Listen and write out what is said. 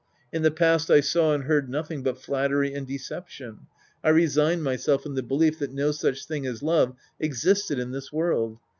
In the past I saw and heard nothing but flattery and deception. I resigned myself in the belief that no such thing as love existed in this world.